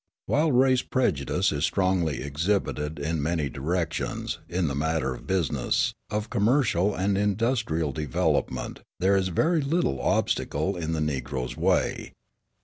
While race prejudice is strongly exhibited in many directions, in the matter of business, of commercial and industrial development, there is very little obstacle in the Negro's way.